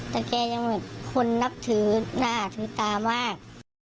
แต่แกยังแบบคนนับถือหน้าถือตามาก